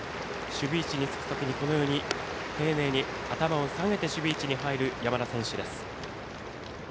守備位置につく時に丁寧に頭を下げて守備位置に入る、山田選手です。